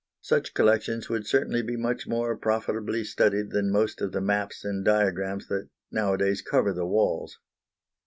Such collections would certainly be much more profitably studied than most of the maps and diagrams that nowadays cover the walls.